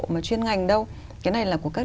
mà chuyên ngành đâu cái này là của các